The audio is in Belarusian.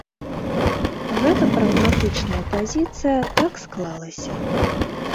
Гэта прагматычная пазіцыя, так склалася.